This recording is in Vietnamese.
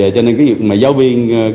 cho nên giáo viên